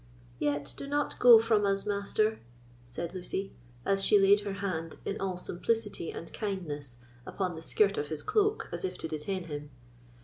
"Yet do not go from us, Master," said Lucy; and she laid her hand, in all simplicity and kindness, upon the skirt of his cloak, as if to detain him.